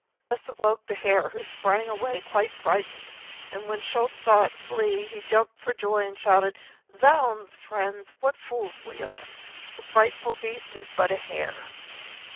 This awoke the hare, who sprang away quite frightened, and when Schulz saw it flee, he jumped for joy and shouted: "Zounds, friends, what fools we are! The frightful beast is but a hare!"